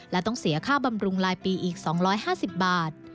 และต้องเสียค่าบำรุงลายปีอีก๒๕๐บาท